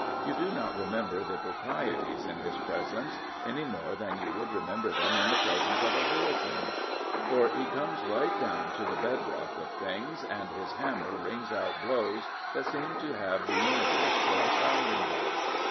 You do not remember the proprieties in his presence, any more than you would remember them in the presence of a hurricane. For he comes right down to the bed rock of things, and his hammer rings out blows that seem to have the Universe for a sounding board.